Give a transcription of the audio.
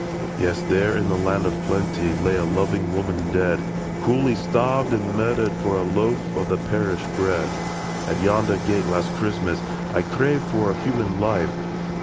" Yes, there, in a land of plenty. Lay a loving woman dead. Cruelly starved and murdered For a loaf of the parish bread. IN THE WORKHOUSE. IS At yonder gate, last Christmas, I craved for a human life.